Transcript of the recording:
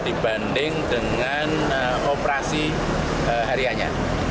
dibanding dengan operasi harianya